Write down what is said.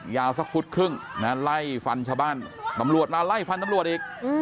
ยาวสักฝุ่นครึ่งเวลาไล่ฟันตำรวจทำร้วยมาไล่ฟันตำรวจอีก